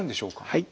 はい。